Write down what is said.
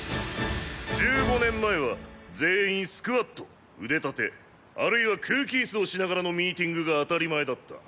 １５年前は全員スクワット腕立てあるいは空気イスをしながらのミーティングが当たり前だった。